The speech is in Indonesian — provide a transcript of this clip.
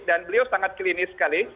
dan beliau sangat klinis sekali